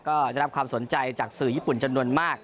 ก็ได้รับความสนใจจากสื่อญี่ปุ่นจำนวนมาก